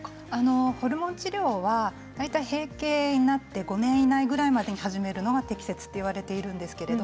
ホルモン治療は大体閉経になって５年以内ぐらいまでに始めるのが大切と言われています。